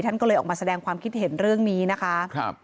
ท่านก็เลยออกมาแสดงความคิดเห็นเรื่องนี้นะคะ